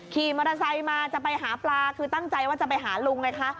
ขี่มรสัยมาจะไปหาปลาคือตั้งใจว่าจะไปหาลุงไงคะ